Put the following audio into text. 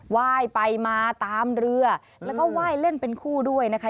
ไหว้ไปมาตามเรือแล้วก็ไหว้เล่นเป็นคู่ด้วยนะคะ